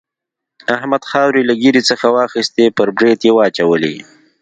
احمد خاورې له ږيرې څخه واخيستې پر برېت يې واچولې.